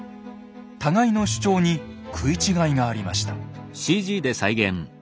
互いの主張に食い違いがありました。